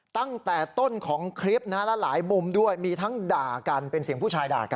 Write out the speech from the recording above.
ตั้งแต่ต้นของคลิปนะและหลายมุมด้วยมีทั้งด่ากันเป็นเสียงผู้ชายด่ากัน